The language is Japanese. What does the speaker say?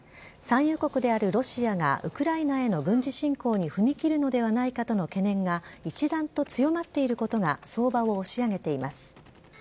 産油国であるロシアがウクライナへの軍事侵攻に踏み切るのではないかとの懸念が一段と強まっていることが相場を押し上げています。